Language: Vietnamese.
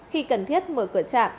khi cần thiết mở cửa chạm